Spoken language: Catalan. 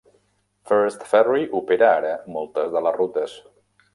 First Ferry opera ara moltes de les rutes.